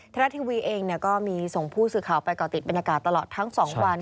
รัฐทีวีเองก็มีส่งผู้สื่อข่าวไปก่อติดบรรยากาศตลอดทั้ง๒วัน